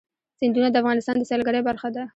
سیندونه د افغانستان د سیلګرۍ برخه ده.